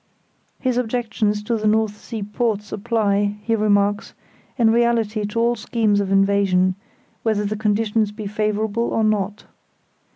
His objections to the North Sea ports apply, he remarks, in reality to all schemes of invasion, whether the conditions be favourable or not.